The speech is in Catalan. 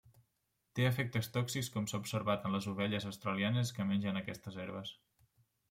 Té efectes tòxics com s'ha observat en les ovelles australianes que mengen aquestes herbes.